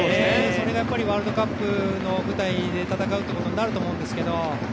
それがワールドカップの舞台で戦うっていうことになると思うんですけどね